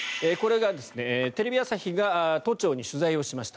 テレビ朝日が都庁に取材をしました。